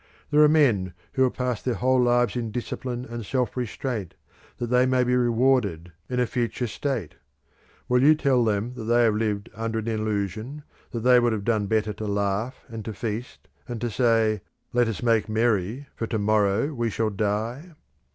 There are men who have passed their whole lives in discipline and self restraint that they may be rewarded in a future state; will you tell them that they have lived under an illusion, that they would have done better to laugh, and to feast, and to say 'Let us make merry, for to morrow we shall die'?